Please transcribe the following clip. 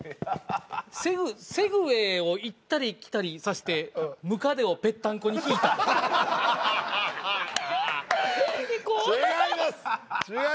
セグウェイを行ったり来たりさせてムカデをぺったんこにひいた怖っ！